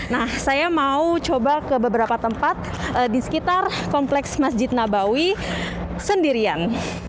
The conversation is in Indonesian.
nah saya mau coba ke beberapa tempat di sekitar kompleks masjid nabawi sendirian